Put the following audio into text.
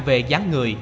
về gián người